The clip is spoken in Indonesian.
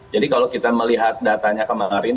jadi kalau kita melihat datanya kemarin